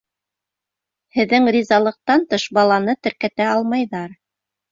Һеҙҙең ризалыҡтан тыш баланы теркәтә алмайҙар.